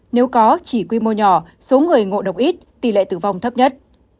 nếu có chỉ quy mô nhỏ số người ngộ độc ít tỷ lệ tử vong thấp nhất